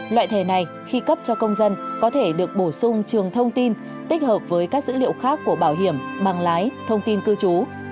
loại thẻ này khi cấp cho công dân có thể được bổ sung trường thông tin tích hợp với các dữ liệu khác của bảo hiểm bằng lái thông tin cư trú